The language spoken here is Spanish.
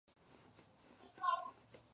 Su hábito natural son los fríos desiertos.